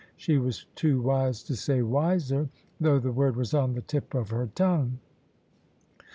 She was too wise to say " wiser," though the word was on the tip of her tongue.